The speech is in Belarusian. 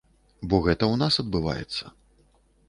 Бо гэта ў нас адбываецца.